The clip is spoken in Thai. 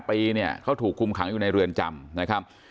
ปีเนี่ยเขาถูกคุมขังอยู่ในเรือนจำนะครับ